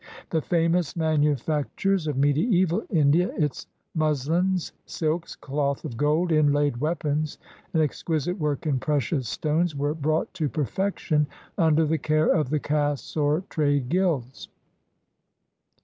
The famous manufactures of mediaeval India, its musUns, silks, cloth of gold, inlaid weapons, and exquisite work in precious stones — were brought to perfection under the care of the castes or trade guilds.